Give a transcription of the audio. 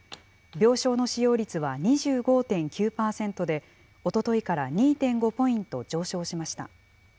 病床の使用率は２５．９％で、おとといから２．５ポイント上昇しました。